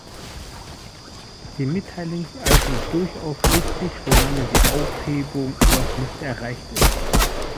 Die Mitteilung ist also durchaus wichtig solange die Aufhebung noch nicht erreicht ist.